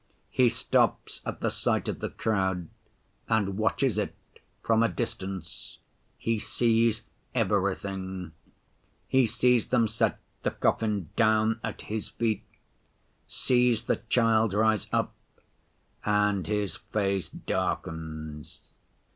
He stops at the sight of the crowd and watches it from a distance. He sees everything; he sees them set the coffin down at His feet, sees the child rise up, and his face darkens.